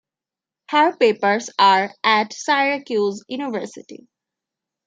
Her papers are at Syracuse University.